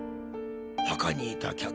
墓にいた客。